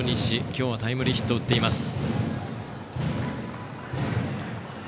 今日はタイムリーヒットを打っています。